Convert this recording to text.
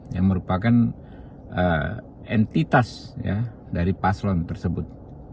yang merupakan entitas dari paslon tersebut